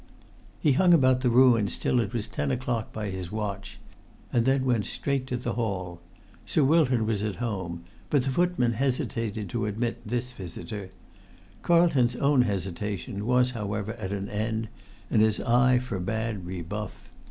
He hung about the ruins till it was ten o'clock by his watch, and then went straight to the hall. Sir Wilton was at home; but the footman hesitated to admit this[Pg 109] visitor. Carlton's own hesitation was, however, at an end, and his eye forbade rebuff.